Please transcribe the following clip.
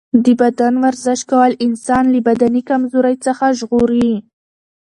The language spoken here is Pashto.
د بدن ورزش کول انسان له بدني کمزورۍ څخه ژغوري.